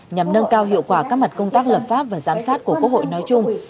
nhằm nâng cao hiệu quả các mặt công tác lập pháp và giám sát của quốc hội nói chung